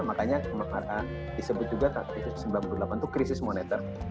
makanya disebut juga seribu sembilan ratus sembilan puluh delapan itu krisis monitor